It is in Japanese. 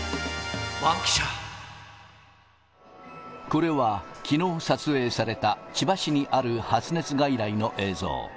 これは、きのう撮影された千葉市にある発熱外来の映像。